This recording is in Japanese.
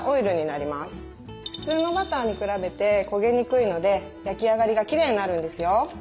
普通のバターに比べて焦げにくいので焼き上がりがきれいになるんですよ。